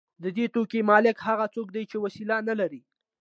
د دې توکو مالک هغه څوک دی چې وسیله نلري